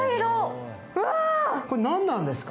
これ何なんですか？